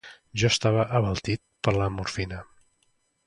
Jo estava abaltit per la morfina